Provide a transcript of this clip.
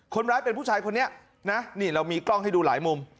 คนร้ายเป็นผู้ชายคนนี้นะนี่เรามีกล้องให้ดูหลายมุม